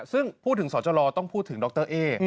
ซึ่งพูดถึงสจต้องพูดถึงดรเอ๊